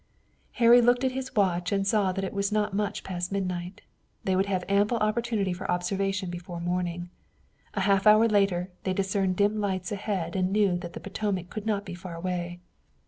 Harry looked at his watch and saw that it was not much past midnight. They would have ample opportunity for observation before morning. A half hour later they discerned dim lights ahead and they knew that the Potomac could not be far away.